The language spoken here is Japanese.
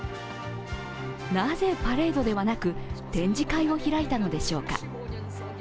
なぜ、パレードではなく展示会を開いたのでしょうか。